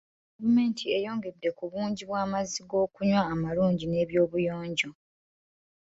Gavumenti eyongedde ku bungi bw'amazzi g'okunywa amalungi n'ebyobuyonjo.